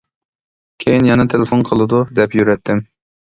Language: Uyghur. كېيىن يەنە تېلېفون قىلىدۇ، دەپ يۈرەتتىم.